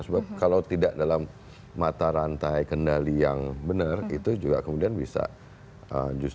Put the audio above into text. sebab kalau tidak dalam mata rantai kendali yang benar itu juga kemudian bisa justru